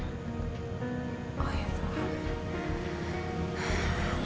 oh ya tuhan